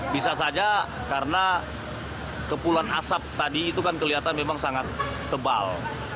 bisa saja karena kepulan asap tadi itu kan kelihatan memang sangat tebal